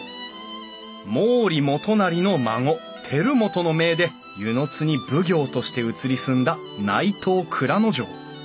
毛利元就の孫輝元の命で温泉津に奉行として移り住んだ内藤内蔵丞。